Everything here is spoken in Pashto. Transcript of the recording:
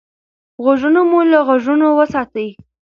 غوږونه مو له غږونو وساتئ.